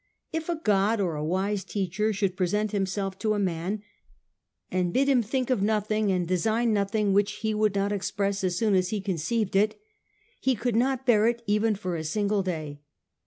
If a god or a wise teacher should present himself to a man, and bid him think of nothing and design nothing which he would not express as soon as he conceived it, he could not bear it even for a single day.